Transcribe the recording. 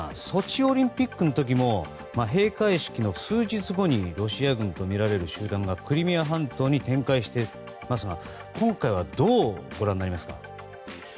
ソチオリンピックの時も閉会式の数日後にロシア軍とみられる集団がクリミア半島に展開していますが今回はどうご覧になりますか？